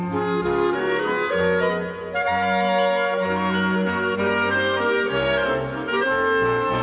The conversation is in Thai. โปรดติดตามต่อไป